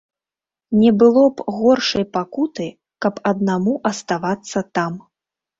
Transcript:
Не было б горшай пакуты, каб аднаму аставацца там.